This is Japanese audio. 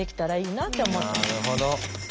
なるほど。